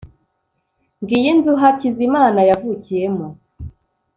ngiyo inzu hakizimana yavukiyemo